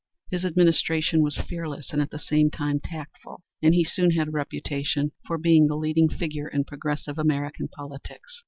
His administration was fearless and at the same time tactful, and he soon had a reputation for being the leading figure in progressive American politics.